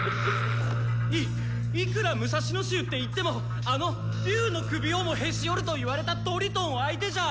いいくら六指衆っていってもあの竜の首をもへし折ると言われたトリトン相手じゃ！